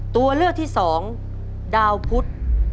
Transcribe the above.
ตัวเลือกที่สองดาวพุทธ